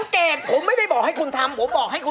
กล่าดราบแล้ว